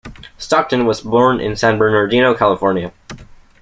Stockton was born in San Bernardino, California.